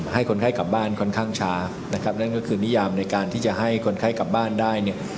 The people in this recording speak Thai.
ให้คนไข้กลับบ้านค่อนข้างช้านะครับนั่นก็คือนิยามในการที่จะให้คนไข้กลับบ้านได้เนี่ย